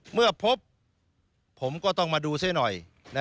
เมื่อพบผมก็ต้องมาดูซะหน่อย